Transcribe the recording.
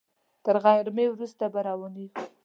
تر غرمې وروسته به روانېږو.